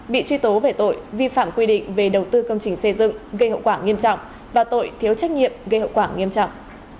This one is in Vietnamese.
bị truy tố về tội vi phạm quy định về đầu tư công trình xây dựng gây hậu quả nghiêm trọng và tội thiếu trách nhiệm gây hậu quả nghiêm trọng